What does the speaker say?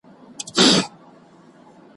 بس د زرکو به رامات ورته لښکر سو ,